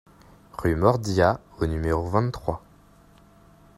Rue Mordillat au numéro vingt-trois